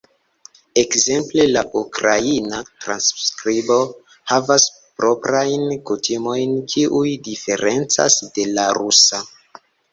Ekzemple la ukraina transskribo havas proprajn kutimojn, kiuj diferencas de la rusa.